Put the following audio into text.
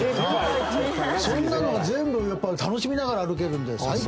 そんなのも全部やっぱり楽しみながら歩けるんで最高ですよ